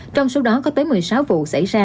trong số đó có tới một mươi sáu vụ xảy ra